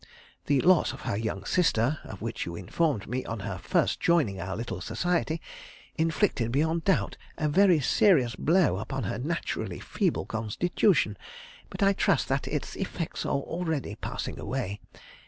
The loss of her young sister, of which you informed me on her first joining our little society, inflicted, beyond doubt, a very serious blow upon her naturally feeble constitution; but I trust that its effects are already passing away.